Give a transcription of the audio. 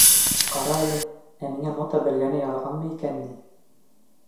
Ҡара әле... ә миңә нота белгәне яҙғанмы икән ни?